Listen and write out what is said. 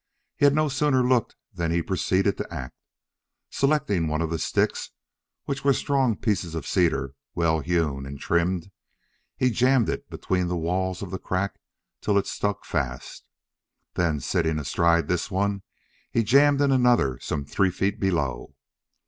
He had no sooner looked than he proceeded to act. Selecting one of the sticks, which were strong pieces of cedar, well hewn and trimmed, he jammed it between the walls of the crack till it stuck fast. Then sitting astride this one he jammed in another some three feet below.